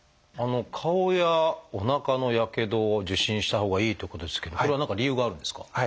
顔やおなかのやけど受診したほうがいいということですけどこれは何か理由があるんですか？